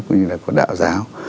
cũng như là của đạo giáo